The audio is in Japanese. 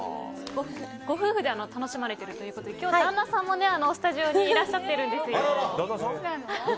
ご夫婦で楽しまれてるということで今日は旦那さんもスタジオにいらっしゃっているんですよ。